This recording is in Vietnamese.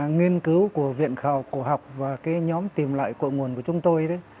nghiên cứu của viện khảo cổ học và cái nhóm tìm lại cội nguồn của chúng tôi đấy